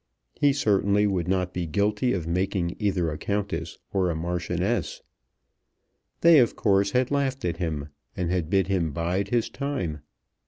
He certainly would not be guilty of making either a Countess or a Marchioness. They, of course, had laughed at him, and had bid him bide his time.